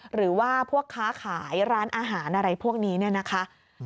หรือว่าพวกค้าขายร้านอาหารอะไรพวกนี้เนี่ยนะคะ